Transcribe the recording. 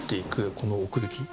この奥行き。